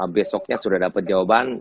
besoknya sudah dapat jawaban